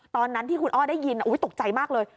ตอนนั้นที่คุณอ้อได้ยินตกใจมากเลย